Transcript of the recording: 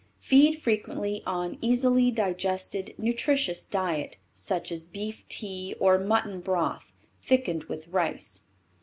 Feed frequently on easily digested, nutritious diet, such as beef tea or mutton broth, thickened with rice.